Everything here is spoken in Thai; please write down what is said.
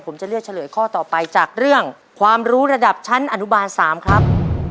ผมจะเลือกเฉลยข้อต่อไปจากเรื่องความรู้ระดับชั้นอนุบาล๓ครับ